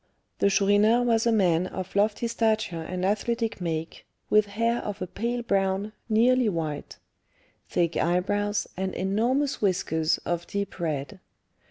The Chourineur was a man of lofty stature and athletic make, with hair of a pale brown, nearly white; thick eyebrows, and enormous whiskers of deep red.